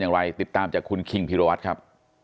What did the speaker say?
อย่างไรติดตามจากคุณคิงพิรวัตรครับ